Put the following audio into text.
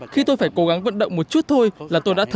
khi tôi phải cố gắng vận động một chút thôi là tôi đã bị bắt đầu